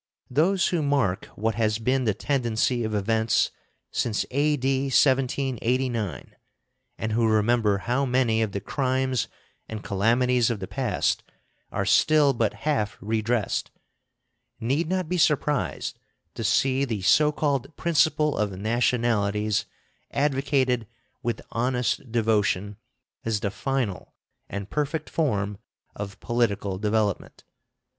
Those who mark what has been the tendency of events since A.D. 1789, and who remember how many of the crimes and calamities of the past are still but half redressed, need not be surprised to see the so called principle of nationalities advocated with honest devotion as the final and perfect form of political development.